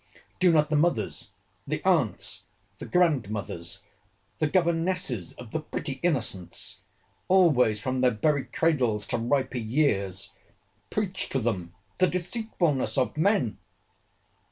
Do not the mothers, the aunts, the grandmothers, the governesses of the pretty innocents, always, from their very cradles to riper years, preach to them the deceitfulness of men?